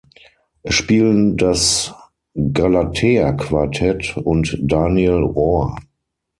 Es spielen das Galatea Quartett und Daniel Rohr.